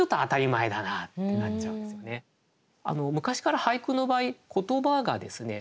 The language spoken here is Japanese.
昔から俳句の場合言葉がですね